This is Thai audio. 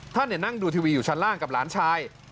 นั่งดูทีวีอยู่ชั้นล่างกับหลานชาย